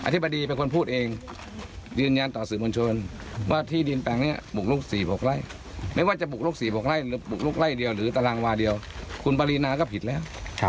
ธิบดีเป็นคนพูดเองยืนยันต่อสื่อมวลชนว่าที่ดินแปลงนี้บุกลุก๔๖ไร่ไม่ว่าจะบุกลุก๔๖ไร่หรือบุกลุกไล่เดียวหรือตารางวาเดียวคุณปรีนาก็ผิดแล้ว